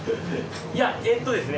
いやえっとですね